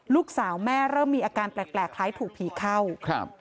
ลูกสาวแม่เริ่มมีอาการแปลกแปลกคล้ายถูกผีเข้าครับ